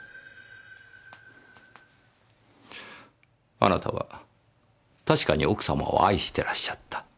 あなたは確かに奥様を愛してらっしゃった。